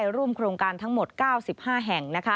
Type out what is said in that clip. ร่วมโครงการทั้งหมด๙๕แห่ง